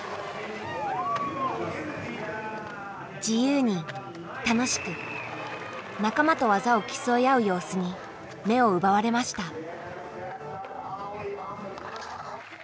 自由に楽しく仲間と技を競い合う様子に目を奪われました。